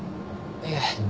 いえ